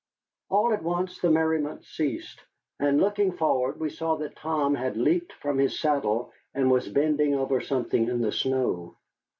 All at once the merriment ceased, and looking forward we saw that Tom had leaped from his saddle and was bending over something in the snow.